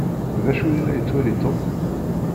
D acu yella yettwali Tom?